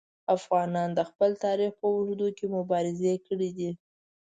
افغانانو د خپل تاریخ په اوږدو کې مبارزې کړي دي.